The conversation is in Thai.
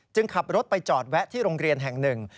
ขับรถไปจอดแวะที่โรงเรียนแห่งหนึ่ง